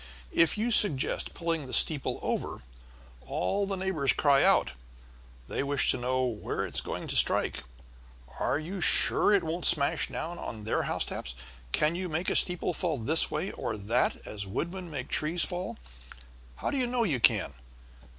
If you suggest pulling the steeple over, all the neighbors cry out. They wish to know where it is going to strike. Are you sure it won't smash down on their housetops? Can you make a steeple fall this way or that way, as woodmen make trees fall? How do you know you can?